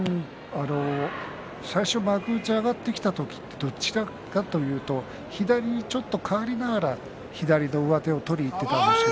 最初、幕内に上がってきた時はどちらかといえば左にちょっと変わりながら左の上手を取りに行っていました。